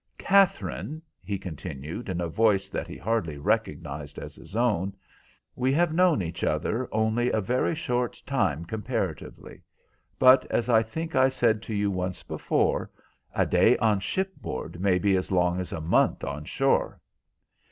"Katherine," he continued, in a voice that he hardly recognised as his own, "we have known each other only a very short time comparatively; but, as I think I said to you once before, a day on shipboard may be as long as a month on shore.